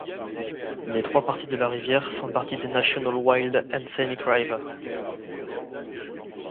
Les trois parties de la rivière font partie des National Wild and Scenic River.